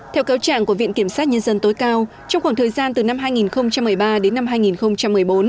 theo cáo trạng của viện kiểm sát nhân dân tối cao trong khoảng thời gian từ năm hai nghìn một mươi ba đến năm hai nghìn một mươi bốn